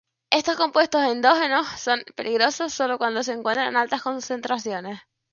Estos compuestos endógenos son peligrosos solo cuando se encuentran en altas concentraciones.